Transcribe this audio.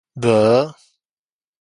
糜